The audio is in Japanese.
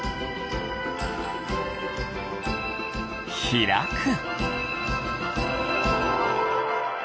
ひらく。